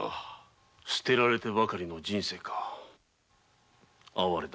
捨てられてばかりの人生か哀れだ。